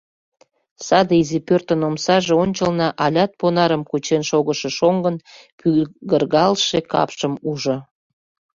Саде изи пӧртын омсаже ончылно алят понарым кучен шогышо шоҥгын пӱгыргалше капшым ужо.